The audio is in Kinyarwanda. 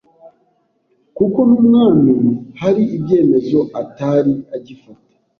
kuko n’umwami hari ibyemezo atari agifata